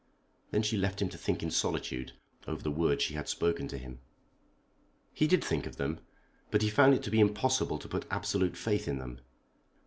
Then she left him to think in solitude over the words she had spoken to him. He did think of them. But he found it to be impossible to put absolute faith in them.